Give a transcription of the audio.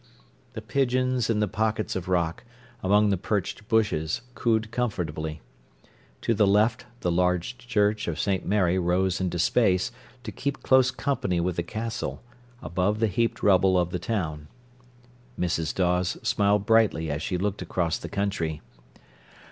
The pigeons in the pockets of rock, among the perched bushes, cooed comfortably. To the left the large church of St. Mary rose into space, to keep close company with the Castle, above the heaped rubble of the town. Mrs. Dawes smiled brightly as she looked across the country.